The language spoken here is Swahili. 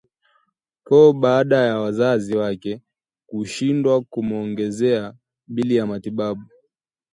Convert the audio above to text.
koo baada ya wazazi wake kushindwa kumuongezea bili ya matibabu